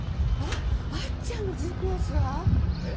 あっちゃんのＧＰＳは？えっ？